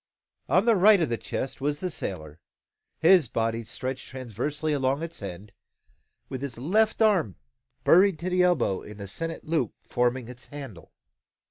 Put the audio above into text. On the right of the chest was the sailor, his body stretched transversely along its end, with his left arm buried to the elbow in the sennit loop forming its handle.